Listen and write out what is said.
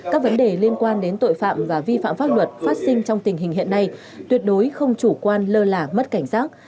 các vấn đề liên quan đến tội phạm và vi phạm pháp luật phát sinh trong tình hình hiện nay tuyệt đối không chủ quan lơ là mất cảnh giác